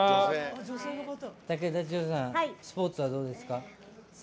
竹田さんスポーツはどうですか？